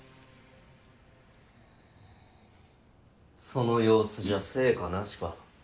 その様子じゃ成果なしか。